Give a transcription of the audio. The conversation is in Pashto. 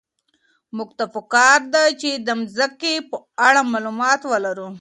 موږ ته په کار ده چي د مځکي په اړه معلومات ولرو.